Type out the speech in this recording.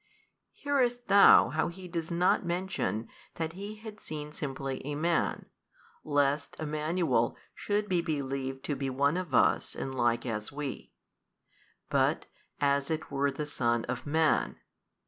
Hearest thou how he does not mention that he had seen simply a man, lest Emmanuel should be believed to be one of us and like as we, but as it were the Son of Man?